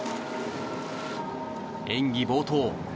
演技冒頭。